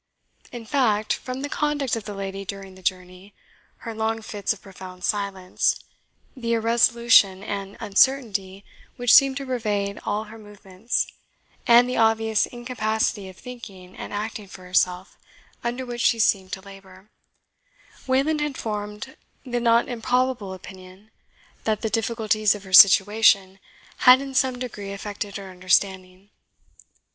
In fact, from the conduct of the lady during the journey her long fits of profound silence, the irresolution and uncertainty which seemed to pervade all her movements, and the obvious incapacity of thinking and acting for herself under which she seemed to labour Wayland had formed the not improbable opinion that the difficulties of her situation had in some degree affected her understanding.